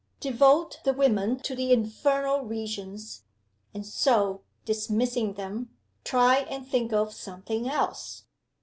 Devote the women to the infernal regions; and, so dismissing them, try and think of something else.